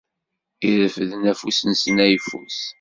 Ireffden afus-nsen ayeffus.